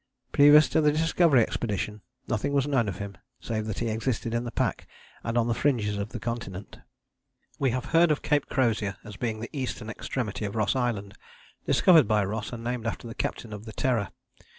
Previous to the Discovery Expedition nothing was known of him save that he existed in the pack and on the fringes of the continent. We have heard of Cape Crozier as being the eastern extremity of Ross Island, discovered by Ross and named after the captain of the Terror.